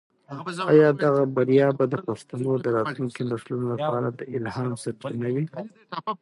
آیا دغه بریا به د پښتنو د راتلونکي نسلونو لپاره د الهام سرچینه وي؟